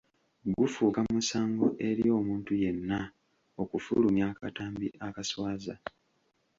Gufuuka musango eri omuntu yenna okufulumya akatambi akaswaza.